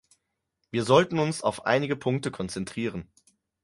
Wir sollten uns auf einige Punkte konzentrieren.